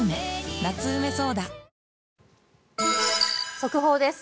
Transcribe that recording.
速報です。